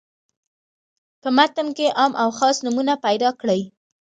په متن کې عام او خاص نومونه پیداکړي.